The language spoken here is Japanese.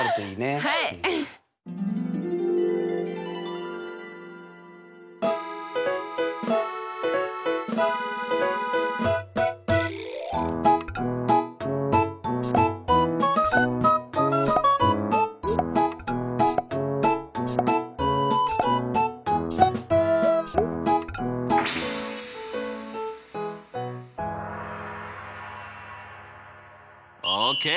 はい！ＯＫ！